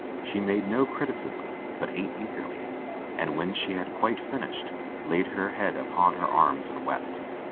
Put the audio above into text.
She made no criticism, but ate eagerly, and when she had quite finished, laid her head upon her arms and wept.